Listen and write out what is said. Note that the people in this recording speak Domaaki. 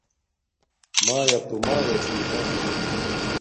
مݳیݳ تݸ مݳیݳ چھݵ نݳ.